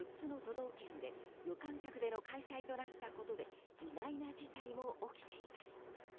道県で無観客での開催となったことで意外な事態も起きています。